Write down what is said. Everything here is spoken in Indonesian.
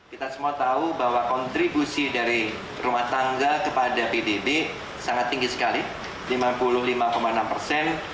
kita semua tahu bahwa kontribusi dari rumah tangga kepada pdb sangat tinggi sekali lima puluh lima enam persen